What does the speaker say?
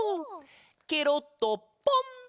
ケロッとポン！